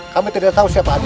kami tidak tahu siapa ada